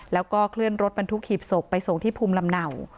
แล้วก็เคลื่อนรถบรรทุกหีบศพไปส่งที่ภูมิลำเนา